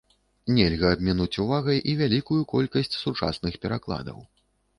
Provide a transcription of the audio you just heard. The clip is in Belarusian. Нельга абмінуць увагай і вялікую колькасць сучасных перакладаў.